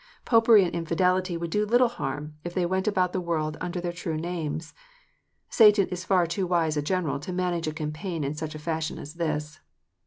Popery and infidelity would do little harm if they went about the world under their true names. Satan is far too wise a general to manage a campaign in such a fashion as this.